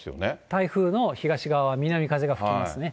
台風の、東側は南風が吹きますね。